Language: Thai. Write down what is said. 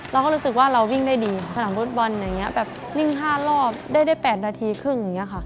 เราก็รู้สึกว่าเราวิ่งได้ดีสนามฟุตบอลอย่างนี้แบบวิ่ง๕รอบได้๘นาทีครึ่งอย่างนี้ค่ะ